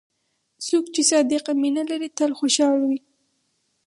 څوک چې صادق مینه لري، تل خوشحال وي.